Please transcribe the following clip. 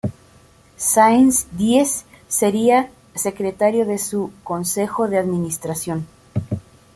Sáenz-Díez sería secretario de su Consejo de Administración.